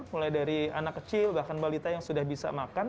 mulai dari anak kecil bahkan balita yang sudah bisa makan